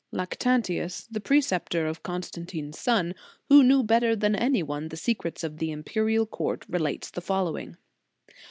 Lactantius, the preceptor of Constantine s son, who knew better than any one the secrets of the imperial court, relates the following.